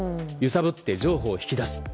揺さぶって譲歩を引き出す。